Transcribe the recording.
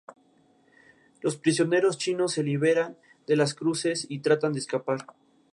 La persona que ofrecía los sacrificios tenía que apartar su cara.